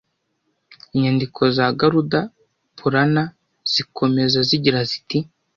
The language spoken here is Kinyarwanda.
Inyandiko za Garuda Purana zikomeza zigira ziti